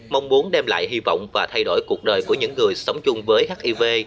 mong muốn đem lại hy vọng và thay đổi cuộc đời của những người sống chung với hiv